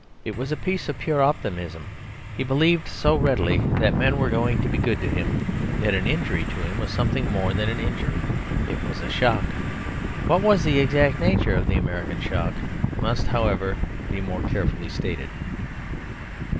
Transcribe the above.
It was a piece of pure optimism; he believed so readily that men were going to be good to him that an injury to him was something more than an injury: it was a shock. What was the exact nature of the American shock must, however, be more carefully stated.